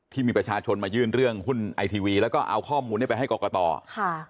ที่มีประชาชนมายื่นเรื่องหุ้นไอทีวีแล้วก็เอาข้อมูลนี้ไปให้กรกตค่ะ